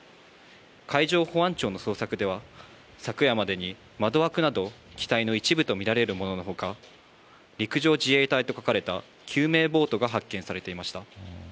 海上保安庁の捜索では、昨夜までに窓枠など機体の一部と見られるもののほか、陸上自衛隊と書かれた救命ボートが発見されていました。